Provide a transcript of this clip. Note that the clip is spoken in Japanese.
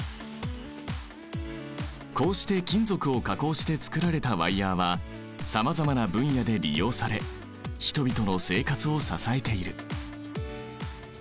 こうして金属を加工してつくられたワイヤーはさまざまな分野で利用され人々の生活を支えている。